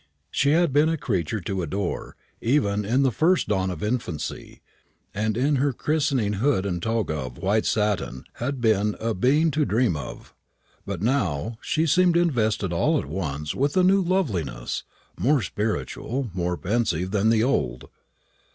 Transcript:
She had been a creature to adore even in the first dawn of infancy, and in her christening hood and toga of white satin had been a being to dream of. But now she seemed invested all at once with a new loveliness more spiritual, more pensive, than the old.